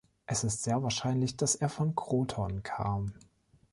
Es ist sehr wahrscheinlich, dass er von Croton kam.